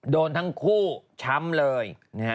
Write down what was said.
โดนทั้งคู่ช้ำเลย